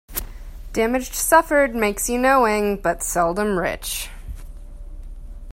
Damage suffered makes you knowing, but seldom rich.